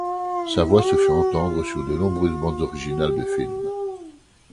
Sa voix se fait entendre sur de nombreuses bandes originales de films.